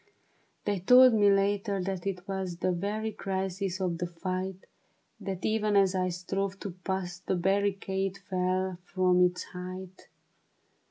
They told me later that it was The very crisis of the fight ; That even as I strove to pass, The barricade fell from its height.